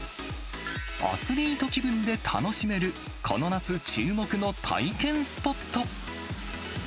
アスリート気分で楽しめる、この夏、注目の体験スポット。